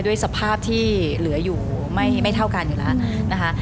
สภาพที่เหลืออยู่ไม่เท่ากันอยู่แล้วนะคะ